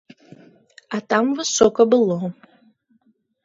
А там высока было.